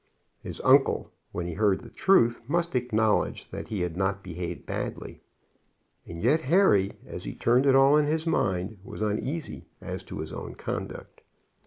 His uncle, when he heard the truth, must acknowledge that he had not behaved badly. And yet Harry, as he turned it all in his mind was uneasy as to his own conduct.